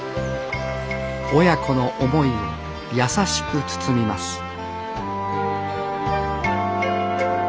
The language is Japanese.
親子の思いを優しく包みます